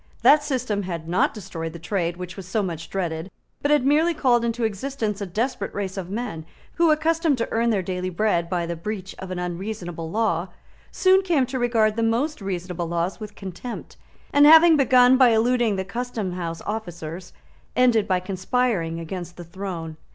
That system had not destroyed the trade which was so much dreaded, but had merely called into existence a desperate race of men who, accustomed to earn their daily bread by the breach of an unreasonable law, soon came to regard the most reasonable laws with contempt, and, having begun by eluding the custom house officers, ended by conspiring against the throne.